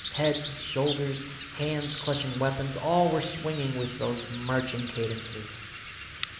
Heads, shoulders, hands clutching weapons, all were swinging with those marching cadences.